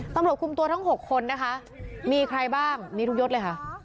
ตำรวจคุมตัวทั้ง๖คนนะคะมีใครบ้างมีทุกยศเลยค่ะ